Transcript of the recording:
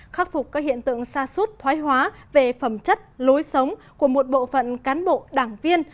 khắc phục các hiện tượng xa suốt thoái hóa về phẩm chất lối sống của một bộ phận cán bộ đảng viên